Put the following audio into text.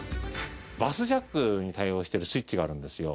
バスジャックに対応してるスイッチがあるんですよ。